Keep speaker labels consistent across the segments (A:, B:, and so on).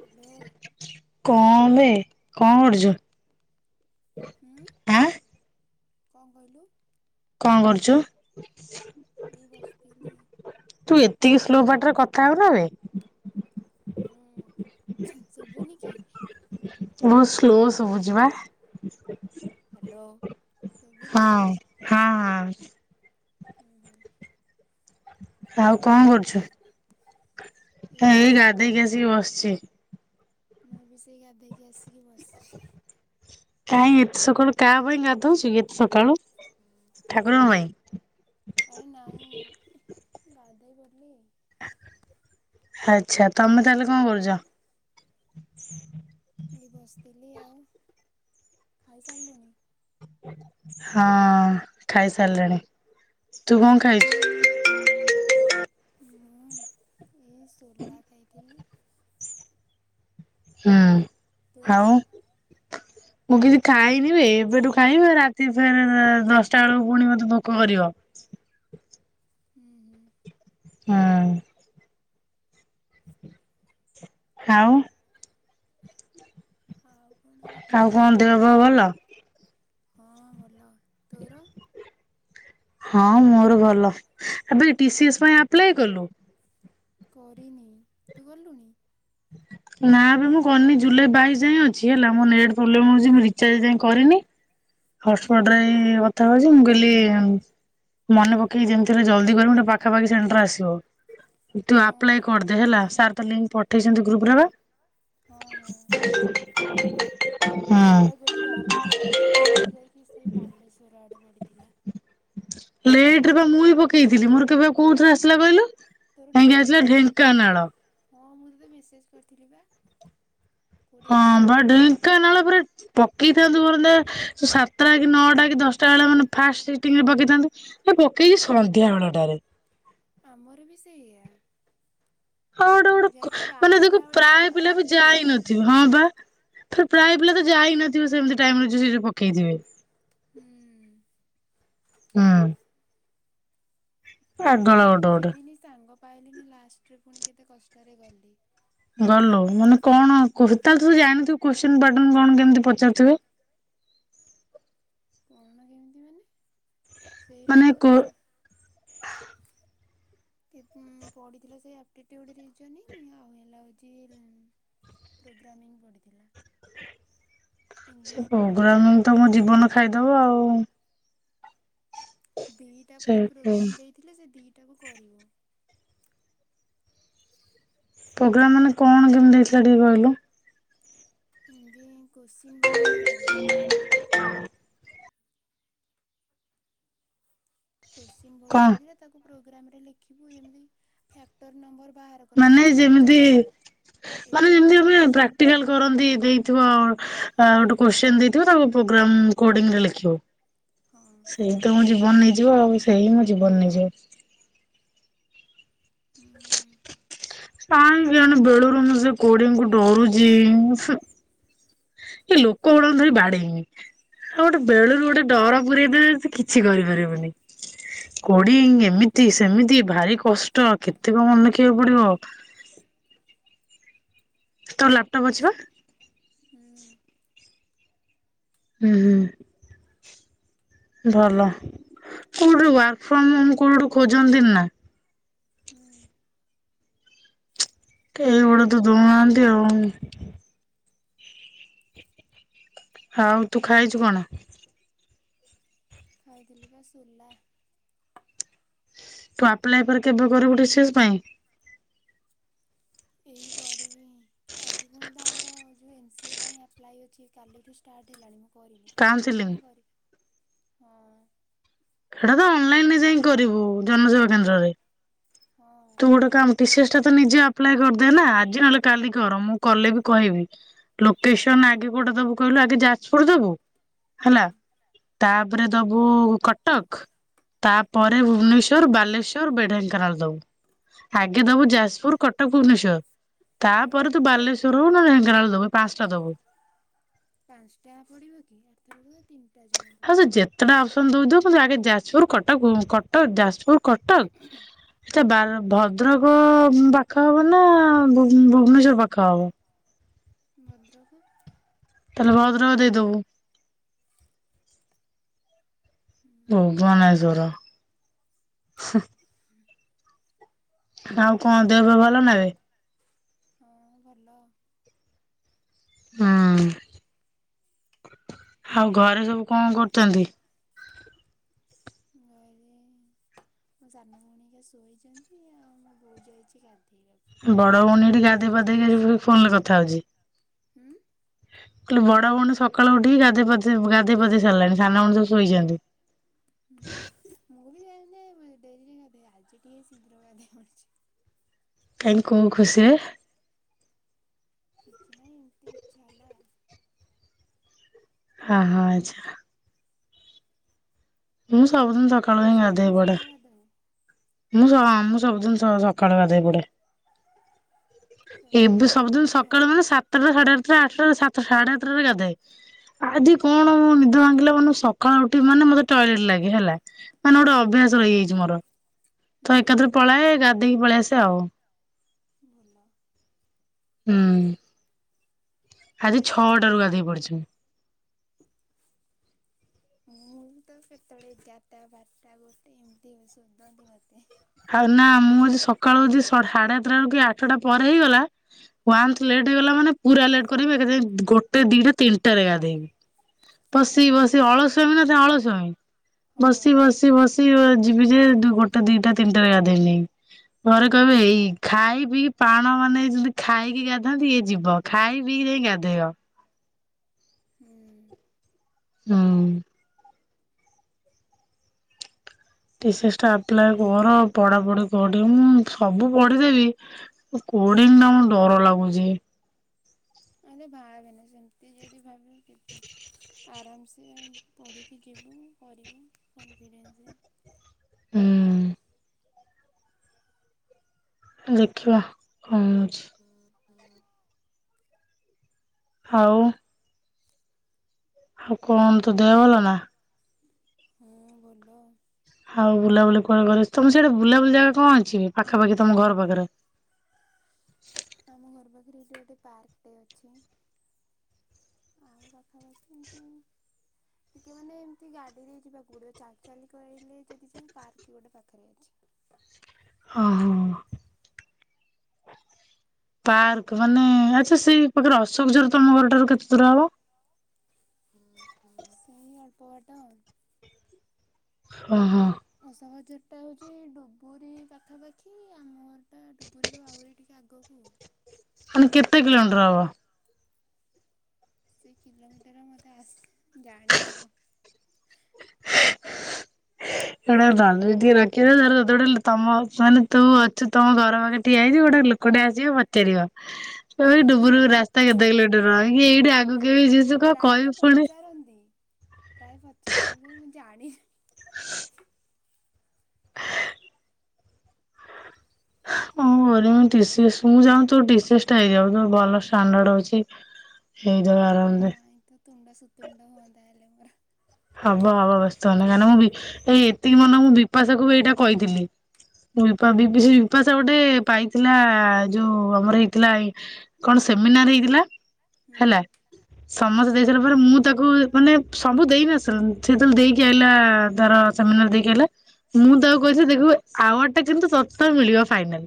A: Hello
B: କଣ ବେ କଣ କରୁଛୁ?
A: ହଁ
B: ଆଁ
A: କଣ କହିଲୁ?
B: କଣ କରୁଛୁ?
A: ଏଇ ବସିଥିଲି
B: ତୁ ଏତିକି ସ୍ଲୋ ପାଟରେ କଥା ହଉନା ବେ।
A: ହୁଁ।
B: [inaudible]
A: ଶୁଭୁନି କିି?
B: ବହୁତ ସ୍ଲୋ ଶୁଭୁଚି ବା।
A: ହ୍ୟାଲୋ। ଶୁଭିଲା
B: ହଁ ହଁ ହଁ।
A: ହୁଁ ହୁଁ।
B: ଆଉ କଣ କରୁଛୁ? ହଁ ଏଇ ଗାଧେଇକି ଆସି ବସଛି।
A: ମୁଁ ବି ସେଇ ଗାଧେଇକି ଆସିକି ବସି
B: କାଇହିଁ ଏତେ ସକାଳୁ କାହା ପାଇଁ ଗାଧଉଛିୁ ଏତେ ସକାଳୁ ଠାକୁରଙ୍କ ପାଇଁ
A: ଆରେ ନାଇଁ। ଗାଧେଇ ପଡ଼ିଲି।
B: ଆଛା ତମେ ତାହେଲେ କଣ କରୁଛ?
A: ଏଇ ବସିଥିଲି ଆଉ, ଖାଇସାରିଲୁଣି?
B: ହଁ ଖାଇସାରିଲିଣି, ତୁ କଣ ଖାଇଛୁ?
A: ହୁଁ ମୁଁ ଏଇ ସୋଲା ଖାଇଥିଲି।
B: ହୁଁ
A: ତୁ
B: ଆଉ। ମୁଁ କିଛି ଖାଇନି ବେ ଏବେଠୁ ଖାଇବି, ରାତି ଫେରେ ଦଶଟା ବେଳକୁ ପୁଣି ମତେ ଭୋକ କରିବ।
A: ହୁଁ ହୁଁ।
B: ହଁ। ଆଉ।
A: ଆଉ କଣ କିଛି
B: ଆଉ
A: ନା
B: କଣ
A: ଏବେ
B: ଦେହ ପା
A: ପୁଣି
B: ଭଲ?
A: ହଁ ଭଲ। ତୋର।
B: ହଁ ମୋର ଭଲ ଆବେ ଟି ସି ଏସ ପାଇଁ ଆପ୍ଲାଏ କଲୁ?
A: କରିନି ତୁ କଲୁଣି?
B: ନା ବେ ମୁଁ କରିନି ଜୁଲାଇ ବାଇଶ ଯାଇ ଅଛି ହେଲା, ମୁଁ ନେଟ୍ ପ୍ରୋବେଲମ୍ ହଉଛି ମୁଁ ରିଚାର୍ଜ ଏ ଯାଏ କରିନି ହର୍ଟସ୍ପଟ୍ ରେ
A: ହୁଁ।
B: କଥା ହଉଛି ମୁଁ କହଲି ମନେ ପକେଇକି ଯେମିତି ହେଲେ, ଜଲ୍ଦି କରିବି ଗୋଟେ ପାଖାପାଖି ସେଣ୍ଟର ଆସିବ। ତୁ
A: ହଁ
B: ଆପ୍ଲାଏ କରିଦେ ହେଲା, ସାର୍ ତ ଲିଙ୍କ୍ ପଠେଇଛନ୍ତି ଗ୍ରୁପ ରେ ପା
A: ହଁ ହଁ।
B: ହୁଁ।
A: ଆପ୍ଲାଏ କରିଦେବି। ଆର ଥରକ କରିଥିଲି ମ ଯାଇକି ସେ ବାଲେଶ୍ଵର ଆଡେ ପଡିଥିଲା।
B: ଲେଟ ରେ ବା ମୁଁ ବି ପକେଇଥିଲି, ମୋର କେବେ କୋଉଥିରେ ଆସିଲା କହିଲୁ।
A: ତୋର
B: ଯାଇକି ଆସିଲା
A: ଢେଙ୍କାନାଳ,
B: ଢେଙ୍କାନାଳ।
A: ହଁ ମୁଁ ତତେ ମେସେଜ କରିଥିଲି ପା
B: ହଁ ବା ଢେଙ୍କାନାଳ ପୁରା ପକେଇ ସାତ ଟା କି ନଅ ଟା କି ଦଶ ଟା ବେଳେ, ମାନେ ଫାଷ୍ଟ ସିଟିଂ ରେ ପକେଇଥାନ୍ତୁ ପକେଇ ସନ୍ଧ୍ୟା ବେଳଟାରେ।
A: ଆମର ବି ସେଇଆ।
B: ହଉ ଗୋଟେ ଗୋଟେ
A: ଯାଇକି
B: ମାନେ ଦେଖ
A: ବାହାରିଲା ବେଳକୁ ରା
B: ପ୍ରାୟ ପିଲା ବି
A: ରାତି ହେଇଗଲାଣି
B: ଯାଇନଥିବେ ହଁ ବା। ପ୍ରାୟ ପିଲା ତ ଯାଇ ନଥିବ ସେମତି ଟାଇମ ସେ ଯଉ ପକେଇଥିବେ।
A: ହୁଁ
B: ହଁ।
A: ସେଟା
B: ଗୋଟେ
A: ଯିବି
B: ଗୋଟେ
A: ଯିବିନି ସାଙ୍ଗ ପାଇଲିନି, ଲାଷ୍ଟରେ ପୁଣି କେତେ କଷ୍ଟରେ ଗଲି।
B: ଗଲୁ ମାନେ କଣ
A: ହୁଁ
B: [unintelligible] ତୁ ଜାଣିଥୁବୁ କୋ ଶ୍ଚିନ ପାଟର୍ଣ୍ଣ କଣ କେମତି ପଚାରୁଥିବେ?
A: କଣ କେମିତି ମାନେ ସେଇରା
B: ମାନେ
A: ତ ସ ପଢିଥିଲା ସେଇ ଆକ୍ଟୀଭିଟି ଗୋଟେ ରିଜିଓନିଂ ଆଉ ହେଲା ହୋଉଚି ପ୍ରୋଗ୍ରାମିଂ ପଡିଥିଲା।
B: ସେ ପ୍ରୋଗ୍ରାମିଂ ତ ମୋ ଜୀବନ ଖାଇଦବ ଆଉ।
A: ଦିଇଟା
B: ସେ
A: ଫୁଣି ପ୍ରୋଗ୍ରାମ ଦେଇଥିଲେ ସେ ଦିଇଟାକୁ କରିବ।
B: ପ୍ରୋଗ୍ରାମ ମାନେ କଣ କେମିତି ହେଇଥିଲା ଟିକେ କହିଲୁ।
A: ଏମିତି କୋଶ୍ଚିନ ଭଳିଆ ଦେଇଥିଲା। କୋଶ୍ଚିନ ଭଳିଅ
B: କଣ
A: ଦେଇଥିଲା ତାକୁ ପ୍ରୋଗ୍ରାମରେ ଲେଖିବୁ। ଏମିତି ଫ୍ୟାକଟର ନମ୍ବର ବାହାର କର ମୁଁ
B: ମାନେ
A: ଗୋଟେ
B: ଯେମିତି
A: ଏକ୍ଜାମ୍ପଲ୍
B: ମାନେ ଯେମିତି
A: ଏକ୍ଜାମ୍ପଲ୍ଟା
B: ଆମେ
A: ଦେଉଛି
B: ପ୍ରାକ୍ଟିକାଲ କରନ୍ତି ଦେଇଥିବ ଆ
A: ହଁ
B: ଗୋଟେ କୋଶ୍ଚିନ ଦେଇଥିବ ତାକୁ ପ୍ରୋଗ୍ରାମ କୋଡିଙ୍ଗରେ ଲଖିବୁ।
A: ହଁ ହଁ
B: ସେଇ ତ ମୋ ଜୀବନ ନେଇଯିବ ଆଉ ସେଇ ହିଁ ମୋ ଜୀବନ ନେଇଯିବ।
A: ହୁଁ
B: [inaudible] କାଇଁ କେଜାଣି ବେଳରୁ ମୁଁ ସେ କୋଡିଙ୍କୁ ଡରୁଚି ଉଁହୁଁ। ଏ ଲୋକଗୁଡାଙ୍କୁ ଧରିକି ବାଡେଇମି। ଆଉ ଗୋଟେ ବେଳରୁ ଗୋଟେ ଡର ପୁରେଇଦେବେ। ସେ କିଛି କରିପାରିବୁନି। କୋଡିଙ୍ଗ ଏମିତି ସେମିତି ଭାରି କଷ୍ଟ କେତେ କଣ ମନେ ରଖିବାକୁ ପଡିବ। ତୋର ଲାପଟପ୍ ଅଛି ପା?
A: ହୁଁ ହୁଁ।
B: ଉଁ ହୁଁ। ଭଲ କୋଉଠି ୱାର୍କ ଫ୍ରମ ହୋମ କୋଉଠୁ ଖୋଜନ୍ତି ନା?
A: ହୁଁ।
B: କେହି ଗୋଟେ
A: କୋଉଠି
B: ତ ଦଉନାହାନ୍ତି ଆଉ। ଆଉ ତୁ ଖାଇଚୁ କଣ?
A: ଖାଇଥିଲି ପା ସୋଲା।
B: ତୁ ଆପ୍ଲାଏ ପରେ କେବେ କରିବୁ ଟି ସି ଏସ ପାଇଁ?
A: ଏଇ କରିବି ଆଜି ପୁଣି ତ ଆମର ଯୋଉ ଏମ୍ ସି ଏ ପାଇଁ ଆପ୍ଲାଏ ଅଛି କାଲିଠୁ ଷ୍ଟାର୍ଟ ହେଲାଣି। କରିନି କୋଉ ଆଡେ
B: କାଉନସିଲିଂ?
A: କଣ କରିବା ହଁ।
B: ହେଡା ତ ଅନଲାଇନରେ ଯାଇ କରିବୁ ଜନସେବା
A: ହଁ
B: କେନ୍ଦ୍ରରେ।
A: ହଁ
B: ତୁ ଗୋଟେ କାମ ଟି ସି ଏସ ଟାତ ନିଜେ ଆପ୍ଲାଏ କରିଦେ ନା ଆଜି ନହେଲେ କାଲି କର ମୁଁ କଲେ ବି କହିବି। ଲୋକେସନ୍
A: ହୁଁ।
B: ଆଗେ କୋଉଟା ଦବୁ କହିଲୁ ଆଗେ ଯାଜପୁର ଦବୁ ହେଲା
A: ହୁଁ
B: ତା ତାପରେ ଦବୁ କଟକ ତାପରେ
A: ହୁଁ।
B: ଭୁବନେଶ୍ଵର ବାଲେଶ୍ଵର ବେ ଢେଙ୍କାନାଳ ଦବୁ ଆଗେ ଦବୁ
A: ହୁଁ।
B: ଯାଜପୁର କଟକ ଭୁବନେଶ୍ଵର ତାପରେ ତୁ ବାଲେଶ୍ଵର ହଉ ନା ଢେଙ୍କାନାଳ ଦବୁ ପାଞ୍ଚଟା ଦବୁ।
A: ପାଞ୍ଚଟା ପଡିବ କି ଏଥରେ ଗଲେ ତିନଟା ଜ
B: ଆଉ ସେ ଯେତେଟା ଅପସନ୍ ଦଉଚି ଦଉ କିନ୍ତୁ ଆଗ ଯାଜପୁର କଟକ କଟକ ଯାଜପୁର କଟକ ଏଟା ବାର ଭଦ୍ରକ ପାଖ ହବ ନା ଭୁ ଭୁବନେଶ୍ଵର ପାଖ ହବ?
A: ଭଦ୍ରକ।
B: ତ ଭଦ୍ରକ ଦେଇଦବୁ। ଭୁବନେଶ୍ୱର ହୁଁ। ଆଉ କଣ ଦେହ ପା ଭଲ ନା ଏବେ?
A: ହୁଁ ଭଲ।
B: ହଁ। ଆଉ ଘରେ ସବୁ କଣ କରୁଛନ୍ତି?
A: [unintelligible]
B: ବଡ
A: ଆମ
B: ଭଉଣୀଟି
A: ପୁଅ
B: ଗାଧୋଇ
A: ଯାଇଛି
B: ପାଧେଇକି
A: ଟ୍ୟୁସନ୍
B: ଫୋନ୍ ରେ କଥା ହଉଛି।
A: [inaudible]
B: [inaudible] କହିଲି ବଡ ଭଉଣୀ ସକାଳୁ ଉଠିକି ଗାଧୋଇ ପାଧେଇ ଗାଧୋଇ ପଧେଇ ସାରିଲାଣି ସାନ ଭଉଣ ସବୁ ଶୋଇଛନ୍ତି।
A: [unintelligible]
B: [inaudible] କାଇହିଁ କୋଉ ଖୁସିରେ?
A: କିଛି ନାହିଁ ଏମିତି ଇଚ୍ଛା ହେଲା।
B: ହଁ ହଁ ଆଛା। ମୁଁ ସବୁଦିନ୍ ସକାଳୁ ଇଁ
A: ତୁ
B: ଗାଧେଇ
A: ସବୁଦିନ
B: ପଡ଼େ
A: ଶୀଘ୍ର ଗାଧାଉ
B: ମୁଁ ସ ମୁଁ ସ୍ ସବୁଦିନ ସ ସକାଳୁ ଗାଧେଇ ପଡ଼େ।
A: ସକାଳୁ
B: ଏବେ
A: ଗାଧେଇ
B: ସବୁଦିନ
A: ପଡ଼ିବୁ
B: ସକାଳୁ
A: ଭଲ।
B: ମାନେ ସାତଟା ସାଢେ଼ ଆଠଟା ଆଠଟା ସାତ୍ ତୁ ସାଢେ଼ ସତଟାରେ ଗାଧାଏ ଆଜି
A: ହୁଁ
B: କଣ ନିଦ ଭାଙ୍ଗିଲା ମାନେ ସକାଳ ଉଠି ମାନେ ମତେ ଟାଏଲେଟ ଲାଗେ ହେଲା। ମାନେ ଗୋଟେ
A: ହୁଁ।
B: ଅଭ୍ୟାସ ରହିଯାଇଛି ମୋର ତ ଏକାଥରେ
A: ହୁଁ
B: ପଳାଏ ଗାଧେଇକି ପଳେଇ ଆସ୍ ସେ ଆଉ।
A: [unintelligible]
B: ହୁଁ। ଆଜି ଛଅଟାରୁ ଗାଧେଇ ପଡ଼ିଛନ୍ତି ମୁଁ।
A: ମୁଁ ତ କେତେବେଳେ ଏଗାରଟା ବାରଟା ଗୋଟେ ଏମିତି ସୋଦନ୍ତୀ ମୋତେ।
B: ଆଉ ନା ମୁଁ ଆଜି ସକାଳୁ ସ ସାଢ଼େ ଆଠଟା ରୁ କି ଆଠଟା ପରେ ହେଇଗଲା ୱାନ୍ଥ ଲେଟ୍ ହେଇଗଲା ମାନେ ପୁରା ଲେଟ୍ କରିବ ଏକାଥରେ ଗୋଟେ ଦିଟା ତିନିଟାରେ ଗାଧେଇବି। ତବସି
A: ହଁ
B: ବସି ଅଳସ୍ୱାଆମି ମାନେ ଅଳସ୍ୱାମୀ ବସି
A: ହଁ।
B: ବସି ବସି ୟୁଆଜେ ଯିବି ଯେ ଗୋଟେ ଦିଟା ତିନିଟା ଗାଧେଇନି ପରେ କହିବେ ଏଇ ଖାଇ ପିବି ପାଣ ମାନେ ଯିମିତି ଖାଇକି ଗାଧାଆନ୍ତି ଇଏ ଯିବ ଖାଇ ପିଇକି ଜାଇକି ଗାଧେଇବ।
A: ହଁ।
B: ହୁଁ। ତୁ ଷ୍ଟାପଲାଏ କର ପଢାପଢି କର ଟିକେ ମୁଁ ସବୁ ପଢିଦେବି ଓଡିଙ୍ଗ ଟା ମୋ ଡର ଲାଗୁଛି।
A: ଆରେ ଭାବେ ନା ସେମିତି ଯଦି ଭାବିବୁ କେମିତି ଆରମ ଏ ପଢ଼ିକି ଯିବୁ କରିବୁ କନଫିଡେନ୍ସରେ।
B: ହଁ। ହଁ ଦେଖିବା କଣ ହଉଛି।
A: ହଁ
B: ହାଉ। ହାଉ କଣ ତୋ ଦେହ ଭଲ ନା?
A: ହଁ ଭଲ।
B: ହାଉ ବୁଲାବୁଲି କଣ କରିସ୍ ତମ ସେଇଟି ବୁଲାବୁଲି ଜାଗା କଣ ଅଛି ପାଖାପାଖି ତମ ଘର ପାଖରେ? [inaudible]
A: ଆଉ ଘର ପାଖରେ ଏଇଠି ଗୋଟେ ପାର୍କଟେ ଅଛି। ଆଉ ପାଖା ପାଖି ଏମିତି ଟିକେ ମାନେ ଏମିତି ଗାଡିରେ ଯିବାକୁ ପଡିବ ଚାଲି ଚାଲି କହିଲେ ଯଦି ଯୋଉ ପାର୍କ ଗୋଟେ ପାଖରେ ଅଛି।
B: ହଁ ହଁ। ପାର୍କ ମାନେ ଆଚ୍ଛା ସେଇ ପାଖରେ ଅଶୋକ ଜୋର ତମ ଘର ଠାରୁ କେତେ ଦୂର ହବ?
A: ସେଇ ଅଳ୍ପ ବାଟ
B: ଓହୋ
A: ଆଉ ସହଜ ଏଟା ହଉଛି ଡବୁରୀ ପାଖାପାଖି ଆମର ଘର ଡବୁରୀରୁ ଆହୁରି ଟିକେ ଆଗକୁ
B: ମାନେ କେତେ କିଲୋମିଟର ହବ?
A: ସେ କିଲୋମିଟର ମତେ ଆସି ଜାଣିନି ମୁଁ।
B: [inaudible] ସେଗୁଡ଼ାକ ବାଲୁ ଯେତିକି ରଖିଲେ ତାର ଡର ତମ ମାନେ ତୁ ଅଛୁ ତମ ଘର ପାଖରେ ଠିଆ ହେଇଛୁ ଗୋଟେ ଲୋକଟେ ଆସିବ ପଚାରିବ ସେ ଡୁବୁରୁ କୁ ରାସ୍ତା କେତେ କିଲୋଟର ଇଏ ଏଇଠି ଆଗକୁ ବି ଯିବୁ କଣ
A: ପ୍ରାୟତଃ
B: କହିବି ପୁଣି?
A: ପଚାରନ୍ତି ପ୍ରାୟ ପଚାରନ୍ତି ମୁଁ ଜାଣି
B: [unintelligible] ମୁଁ କନ କରିବି ମୋ ଟିସିସ ମୁଁ ଚାହୁଁଛି ତୋ ଟିସିସ ଟା ହେଇଯାଉ। ତୋର ଭଲ ଷ୍ଟାଣ୍ଡାଡ ଅଛି। ହେ
A: କାଇଁ ତୋ ତୁଣ୍ଡ ସୁତୁଣ୍ଡ ହୁଅନ୍ତା ହେଲେ ମୋର।
B: ହବ ହବ ବ୍ୟସ୍ତ ହନା କାହିଁକି ନା ମୁଁ ଏଇ ଏତିକି ମନ ମୁଁ ବିପାସାକୁ ବି ଏଇଟା କହିଥିଲି। ମୁଁ ବି ବିବିସି ବିପାସା ଗୋଟେ ପାଇଥିଲା ଯୋଉ ଆମର ହେଇଥିଲା କଣ ସେ ସେମିନାର ହେଇଥିଲା।
A: ହୁଁ
B: ହେଲା ସମସ୍ତେ
A: ହୁଁ
B: ଦେଇ ସାରିଲା ପରେ ମୁଁ ତାକୁ ମାନେ ସବୁ ଦେଇନ ଚରଙ୍ଗ ସେ ଯେତେବେଳେ ଦେଇକି ଆଇଲା ତାର ସେମିନାର ଦେଇକି ଆଇଲା ମୁଁ ତାକୁ
A: ହୁଁ
B: କହିଥିଲି ଦେଖିବୁ ଏ ଆଉଆଡ ସେଟା କିନ୍ତୁ ସତ ମିଳିବ ଫାଇନାଲ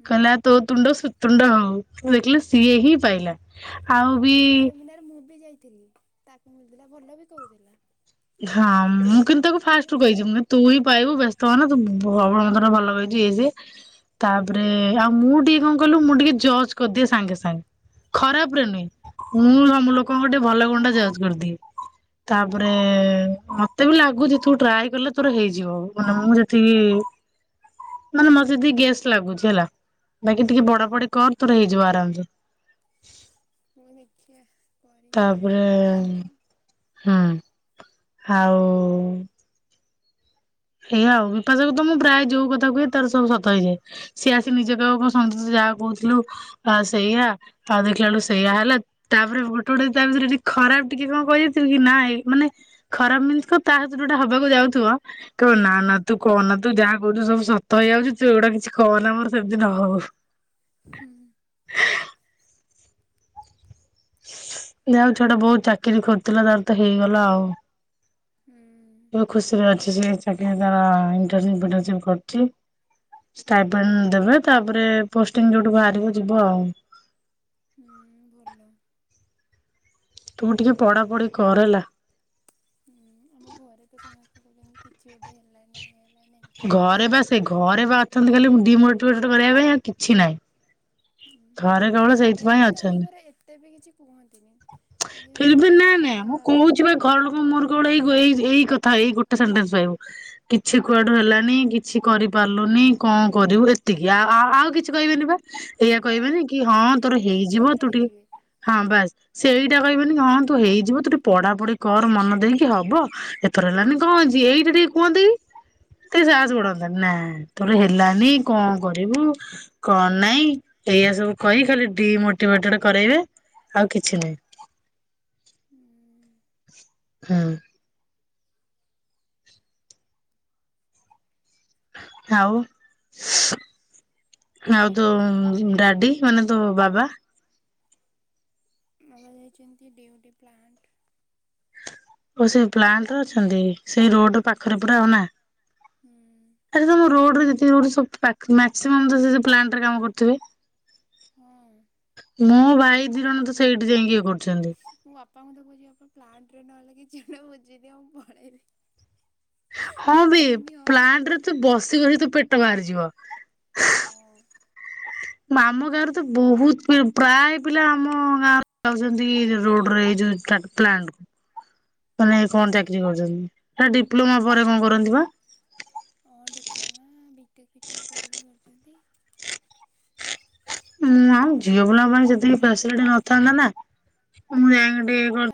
A: ହୁଁ
B: କହିଲା ତୋ ତୁଣ୍ଡସୁତୁଣ୍ଡ ହଉ‌। ମୁଁ ଦେଖିଲି ସିଏ ହିଁ ପାଇଲା ଆଉ ବି
A: ଥିଲ ତାକୁ ମିଳଥିଲା ଭଲ ବି କହୁଥିଲା।
B: ହଁ ମୁଁ କିନ୍ତୁ ତାକୁ ଫାଷ୍ଟ ରୁ
A: ତୋର
B: କହିଛି ମୁଁ କହିଲି ତୁ ହିଁ ପାଇବୁ ବ୍ୟସ୍ତ ତହ ନା ତୁ ବ ମତେ ଭଲ କହିଛି ଇଏ ସିଏ ତାପରେ ଆଉ ମୁଁ ଟିକେ କଣ କହିଲୁ ମୁଁ ଟିକେ ଜଜ୍ କରିଦିଏ ସାଙ୍ଗେ ସାଙ୍ଗେ। ଖରାପ ରେ
A: ହୁଁ
B: ନୁହେଁ ମୁଁ ହଁ ଲୋକଙ୍କ ଟିକେ ଭଲ ଗୁଣଟା ଜଜ କରିଦିଏ ତାପରେ ଏ
A: ହୁଁ।
B: ମତେ ବି ଲାଗୁଛି ତୁ ଟ୍ରାଏ କଲେ ତୋର ହେଇଯିବ ମାନେ ମୁଁ ଯେତିକି ମାନେ ମତେ ଜଦି ଗ୍ୟାସ୍ ଲାଗୁଛି ହେଲା। ବାକି ଟିକେ ବଡା
A: ହୁଁ
B: ବଡି କର ତୋର ହେଇଯିବ ଆରାମସେ।
A: ମୁନିଖିଆ।
B: ତାପରେ ହଁ ଆଉ ଏଇଆଉ ବିପାସାକୁ ତ ମୁଁ ପ୍ରାୟ ଯୋଉ କଥା କୁହେ ତାର ସବୁ ସତ ହେଇଯାଏ ସିଏ ଆସି ନିଜ କହିବ କଣ ସଙ୍ଗେତ ଯାହା କହୁଥିଲୁ ତା ସେଇଆ ତା ଦେଖିଲା ବେଳକୁ ସେଇଆ ହେଲା ତାପରେ ଗୋଟେ ଗୋଟେ ତା ଭିତରେ ଦେଖ ଖରାପ ଟିକେ କଣ କହି ଦେଇଥିଲି କି ନାଇ ମାନେ ଖରାପ ଜିନିଷ ତା ହତରେ ଯୋଉଟା ହବାକୁ ଯାଉଥିବ କହିବ ନା
A: ହୁଁ।
B: ନା ତୁ କହନା। ତୁ ଯାହା କହୁଛୁ ସବୁ ସତ ହେଇଯାଉଛି ତୁ ଏଗୁଡା କିଛି କହନା ମୋର ସେମିତି ନ ହଉ। [inaudible]
A: ହୁଁ
B: ଯା ହଉ ଛୁଆ ଟି ବହୁତ ଚାକିରି ଖୋଜୁଥିଲା ତାର ତ ହେଇଗଲା ଆଉ। ହଁ ଖୁସିରେ ଅଛି ସେ ଚାକିରୀ ତାର ଇନଟରସିପ ଫିନଟରସିପ କରଛି। ଷ୍ଟାଇପିନ ଦେବେ ତାପରେ ପୋଷ୍ଟିଙ୍ଗ ଯୋଉଠୁ ବାହାରିବ ଯିବ ଆଉ।
A: ହୁଁ ଭଲ।
B: ତୁମ ଟିକେ ପଢାପଢି କର ହେଲା।
A: ହୁଁ ଆମ ଘରେ ତ ସମସ୍ତେ କହୁଛନ୍ତି କିଛି ଗୋଟେ ହେଲାନି। ଏ
B: ଘରେ ବା ସେ ଘରେ ବା ଅଛନ୍ତି ଖାଲି ମୁ ଡିମୋଟିଭେଟ କରିବା ପାଇଁଉ କିଛି ନାହିଁ।
A: ହୁଁ
B: ଥରେ କେବଳ
A: ହେଲେ ବି
B: ସେଇଥିପାଇଁ
A: କିନ୍ତୁ ଆମ
B: ଅଛନ୍ତି।
A: ଘରେ ଏତେ ବି କିଛି କୁହନ୍ତିନି। ଯଦି
B: ଫର ବି
A: ହଉ
B: ନା ଇଁ
A: ଛାଡ଼
B: ନାଇଁ ମୁଁ
A: ଯାହା
B: କହୁଛି ବା ଘର ଲୋକ ମୋର କେବଳ ଏଇ ଏଇ କଥା ଏଇ ଗୋଟେ ସେଣ୍ଟେନ୍ସ ପାଇବୁ କିଛି କୁଆଡୁ ହେଲାନି କିଛି କରିପାରିଲୁନି କଣ କର କରିବୁ ଏତିକି ଆଉ ଆଉ କିଛି କହିବେନି ବା। ଏଇଆ
A: ହଁ
B: କହିବେନି କି ହଁ ତୋର
A: ଏତିକି
B: ହେଇଯିବ
A: କହିକି
B: ତୁ ଟିକେ
A: ରହିଯିବେ
B: ହଁ ବାସ ସେଇଟା କହିବେନି ହଁ ତୁ ହେଇଯିବ ତୁ ଟେ ପଢାପଢି କର ମନ ଦେଇକି ହବ ଏଥର ହେଲାନି କଣ ଅଛି। ଏଇଟା ଟଠିକ କୁହନ୍ତି। ସେ ସାହସ ପଡନ୍ତତା ନା ତୋର ହେଲାନି କଣ କରିବୁ କଣ ନାଇଁ ଏଇୟଆ ସବୁ କହି ଖାଲି ଡିମୋଟିଭେଟଡ କରାଇବେ ଆଉ କିଛି ନାହିଁ।
A: ହୁଁ
B: ହୁଁ। ଆଉ ଆଉ ତ ଡାଡି ମାନେ ତୋ ବାବା?
A: ଆବା ଯାଇଛନ୍ତି ଡିଉଟି ପ୍ଲାଣ୍ଟ।
B: ଓ ସେ ପ୍ଲାଣ୍ଟ ଅଛନ୍ତି ସେଇ ରୋଡ ପାଖରେ ପୁରା ଆଉ ନା।
A: ହୁଁ
B: ଆରେ ତମ ରୋଡରେ [inaudible] ମାକ୍ସିମମ୍ ତ ପ୍ଲାଣ୍ଟରେ କାମ କରଥିବେ?
A: ହଁ।
B: ମୋ ଭାଇ ଦି ଜଣ ତ ସେଇଠି ଯାଇକି ଇଏ କରୁ
A: ମୁଁ ବାପାଙ୍କୁ ତ ବୁଝିବି ବାା ପ୍ଟରେ ନହେଲେ କିି ଣ ବୁଝେଇଦି ମୁଁ ପଳେଇବି।
B: ହଁ
A: ବାପା
B: ବେ
A: କହୁଛନ୍ତି ହଁ
B: ପ୍ଲାଣ୍ଟ ରେ ତୁ ବସିି ବସି ତୋ ପେଟ ବାହାରିଯିବ।
A: ହଁ।
B: ଆମ ଗାଁରେ ତ ବହୁତ ପ୍ରାୟ ପିଲା ଆମ ଗାଁ ଯାଉଛନ୍ତି ରୋଡରେ ପ୍ଲାଣ୍ଟ। ମାନେ କଣ
A: ହଁ
B: ଚାକିରି କରୁଛନ୍ତି? ଡିପ୍ଲୋମା ପରେ କଣ କରନ୍ତି ପା?
A: ହଁ ଡିପ୍ଲୋମା ବିଟେକ୍ ଫିଟେକ୍ ପରେ ବି କରନ୍ତି।
B: ମୁଁ ଆଉ ଝିଅ ପିଲାଙ୍କ ପାଇଁ ସେତିକି ଫେସିଲିଟି ନଥାନ୍ତା ନା ମୁଁ ଯାଇକି ଟିକେ